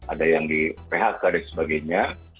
ada yang di phk dan sebagainya